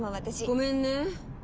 ごめんね。